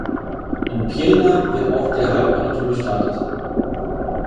In Pirna wird auch der Halbmarathon gestartet.